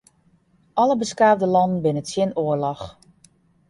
Alle beskaafde lannen binne tsjin oarloch.